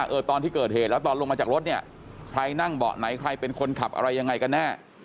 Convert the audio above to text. เออตอนที่เกิดเหตุแล้วตอนลงมาจากรถเนี่ยใครนั่งเบาะไหนใครเป็นคนขับอะไรยังไงกันแน่